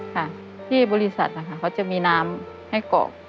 ค่ะที่บริษัทนะคะเขาจะมีน้ำให้กรอก